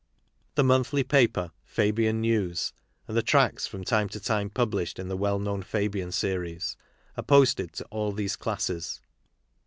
■',''," The monthly paper, Fabian NeiBsi and the Tracts from time to time published in the well known Fabian Series, are posted to all these; classes.